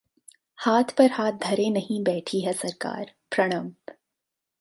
हाथ पर हाथ धरे नहीं बैठी है सरकार: प्रणब